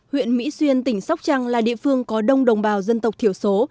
huyện mỹ xuyên tỉnh sóc trăng là địa phương có đông đồng bào dân tộc thiểu số